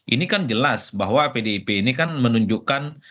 ini kan jelas bahwa pdip ini kan menunjukkan